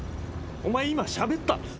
お前今しゃべった？